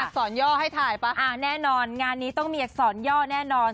สอนย่อให้ถ่ายป่ะแน่นอนงานนี้ต้องมีอักษรย่อแน่นอน